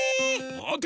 まて。